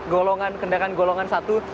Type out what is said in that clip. golongan kendaraan golongan satu